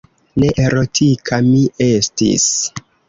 Ne erotika mi estis.